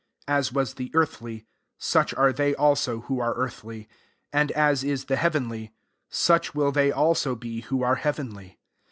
| 48 As was the earthly, such are they also who arc earthly ; and as is the heavenly, such will they also be who are heavenly.